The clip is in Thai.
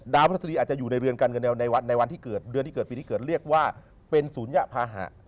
พระทัศดีอาจจะอยู่ในเรือนการเงินในวันที่เกิดเดือนที่เกิดปีที่เกิดเรียกว่าเป็นศูนยภาหะ